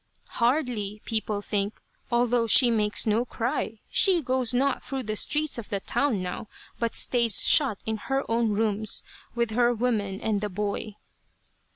"Hardly, people think, although she makes no cry. She goes not through the streets of the town, now, but stays shut in her own rooms, with her women and the boy."